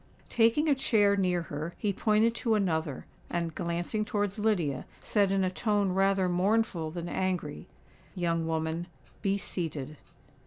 Taking a chair near her, he pointed to another, and, glancing towards Lydia, said in a tone rather mournful than angry, "Young woman, be seated."